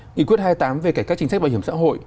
nghị quyết hai mươi tám về cải cách chính sách bảo hiểm xã hội